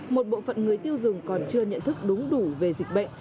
một bộ phận người tiêu dùng còn chưa nhận thức đúng đủ về dịch bệnh